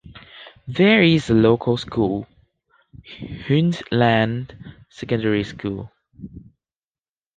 There is a local school, Hyndland Secondary School.